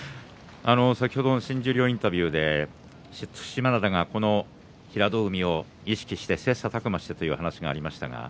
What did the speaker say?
新十両インタビューで對馬洋が平戸海関を意識して切さたく磨してという話がありました。